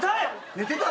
寝てた。